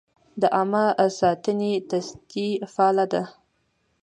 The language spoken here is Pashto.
د عامه ساتنې تصدۍ فعال ده؟